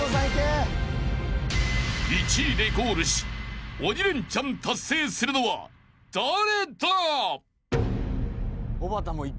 ［１位でゴールし鬼レンチャン達成するのは誰だ！？］